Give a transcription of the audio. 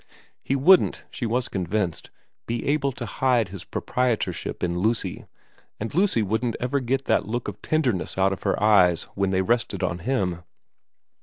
He wouldn't, she was con vinced, be able to hide his proprietorship in Lucy, and Lucy wouldn't ever get that look of tenderness out of her eyes when they rested on him.